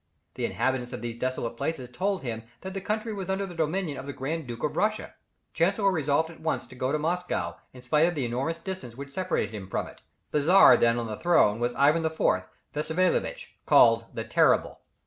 The inhabitants of these desolate places told him that the country was under the dominion of the Grand Duke of Russia. Chancellor resolved at once to go to Moscow, in spite of the enormous distance which separated him from it. The Czar then on the throne was Ivan IV. Wassiliewitch, called the Terrible.